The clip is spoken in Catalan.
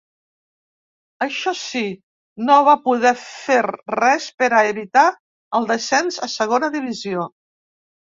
Això sí, no va poder fer res per a evitar el descens a Segona divisió.